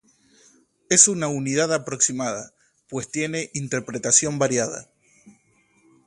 Es una unidad aproximada, pues tiene interpretación variada.